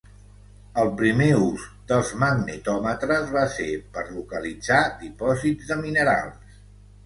El primer ús dels magnetòmetres va ser per localitzar dipòsits de minerals.